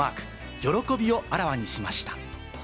喜びをあらわにしました。